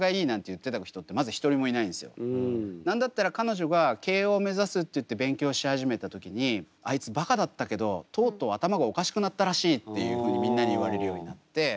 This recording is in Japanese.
なんだったら彼女が慶應目指すって言って勉強し始めた時にあいつばかだったけどとうとう頭がおかしくなったらしいっていうふうにみんなに言われるようになって。